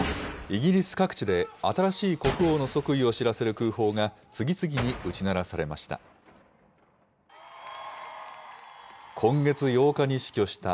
イギリス各地で新しい国王の即位を知らせる空砲が、次々に撃ち鳴らされました。